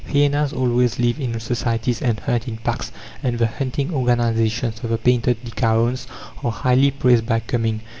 Hyenas always live in societies and hunt in packs, and the hunting organizations of the painted lycaons are highly praised by Cumming.